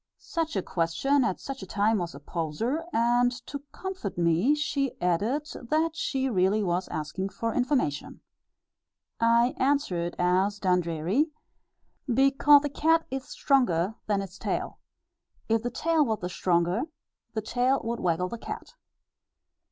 Such a question at such a time was a poser, and, to comfort me, she added, that she really was asking for information. I answered, as Dundreary, "Becauth a cat ith sthronger than its tail; if the tail wath the sthronger, the tail would waggle the cat."